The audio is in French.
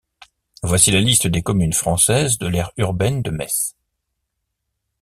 Voici la liste des communes françaises de l'aire urbaine de Metz.